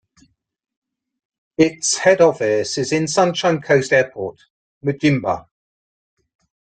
Its head office is in Sunshine Coast Airport, Mudjimba.